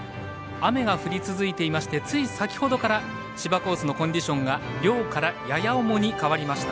雨が降り続いていましてつい先ほどから芝コースのコンディションが良から、やや重に変わりました。